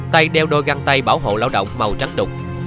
tay đeo đôi găng tay bảo hộ lao động màu trắng đục